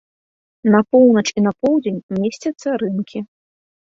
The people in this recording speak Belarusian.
На поўнач і на поўдзень месцяцца рынкі.